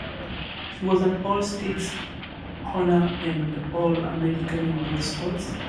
He was an All-State honoree, and an All-American in both sports.